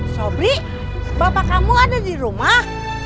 sobri bapak kamu ada di rumah